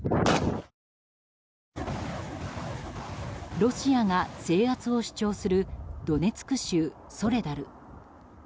ロシアが制圧を主張するドネツク州ソレダル。